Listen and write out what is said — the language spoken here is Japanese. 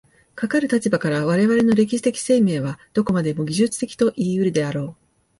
かかる立場から、我々の歴史的生命はどこまでも技術的といい得るであろう。